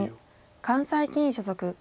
関西棋院所属。